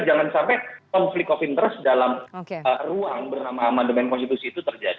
jangan sampai konflik covid sembilan belas dalam ruang bernama mandemain konstitusi itu terjadi